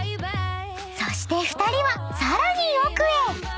［そして２人はさらに奥へ］